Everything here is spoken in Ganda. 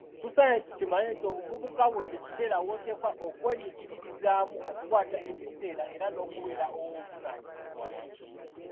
Tusaanye tukimanye nti Obuvubuka bwo kye kiseera woteekwa okweyigiririzaamu okukwata ebiseera, era n'okubeera ow'obuvunaanyizibwa.